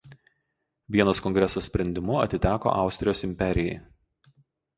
Vienos kongreso sprendimu atiteko Austrijos imperijai.